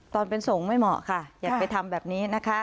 ตอนเป็นส่งไม่เหมาะค่ะอย่าไปทำแบบนี้นะคะ